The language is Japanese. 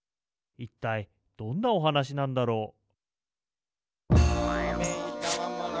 いったいどんなおはなしなんだろう？